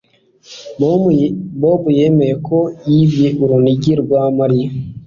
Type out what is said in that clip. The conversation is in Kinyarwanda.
Bobo yemeye ko yibye urunigi rwa Mariya